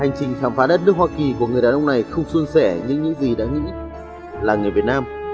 hành trình khám phá đất nước hoa kỳ của người đàn ông này không xuân sẻ nhưng những gì đã nghĩ là người việt nam